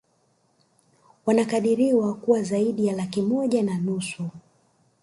Wanakadiriwa kuwa zaidi ya laki moja na nusu